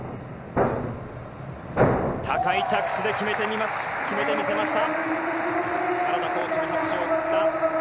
高い着地で決めてみせました。